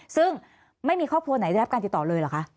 ซึ่งไม่มีครอบครัวไหนได้รับการติดต่อเลยเหรอคะ